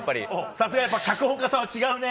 さすがやっぱ脚本家さんは違うね。